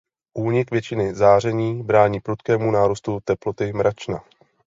Únik většiny záření brání prudkému nárůstu teploty mračna.